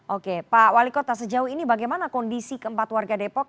oke pak wali kota sejauh ini bagaimana kondisi keempat warga depok